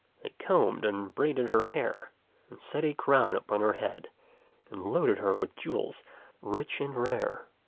They combed and braided her hair and set a crown upon her head and loaded her with jewels rich and rare.